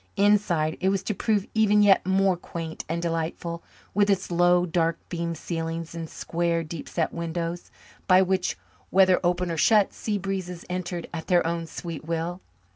Inside, it was to prove even yet more quaint and delightful, with its low, dark beamed ceilings and square, deep set windows by which, whether open or shut, sea breezes entered at their own sweet will.